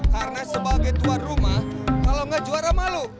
karena sebagai tuan rumah kalau enggak juara malu